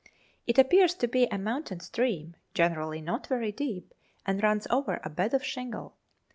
It appears to be a mountain stream, generally not very deep, and runs over a bed of shingle.